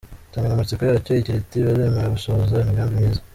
Insanganyamatsiko yacyo igira iti” Waremewe gusohoza imigambi myiza.